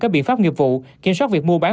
các biện pháp nghiệp vụ kiểm soát việc mua bán